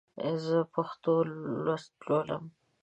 زه پښتو لوست لولم.